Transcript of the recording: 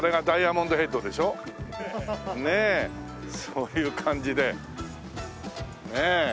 そういう感じでねえ。